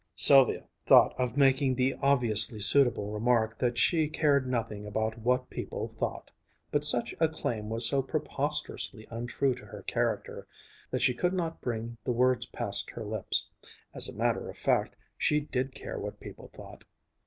Sylvia thought of making the obviously suitable remark that she cared nothing about what people thought, but such a claim was so preposterously untrue to her character that she could not bring the words past her lips. As a matter of fact, she did care what people thought.